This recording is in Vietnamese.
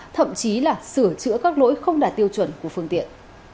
thậm chí là sửa chữa các lỗi không đạt tiêu chuẩn của phương tiện